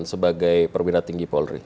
sebagai perwira tinggi polri